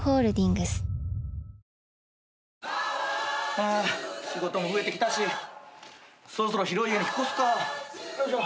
ハァ仕事も増えてきたしそろそろ広い家に引っ越すか。